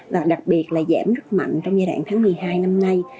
và đặc biệt là giảm rất mạnh trong giai đoạn tháng một mươi hai năm nay